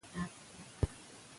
که ډالۍ وي نو مینه نه کمېږي.